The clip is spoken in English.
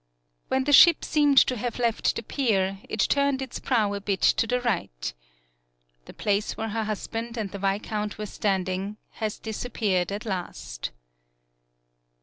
When the ship seemed to have left the pier, it turned its prow a bit to the right. The place where her husband and the viscount were standing has dis appeared at last.